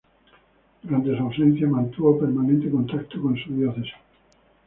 Durante su ausencia mantuvo permanente contacto con su diócesis.